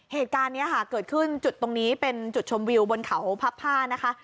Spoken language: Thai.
เหตุการณ์นี้ค่ะเกิดขึ้นจุดตรงนี้เป็นจุดชมวิวบนเขาพับผ้านะคะ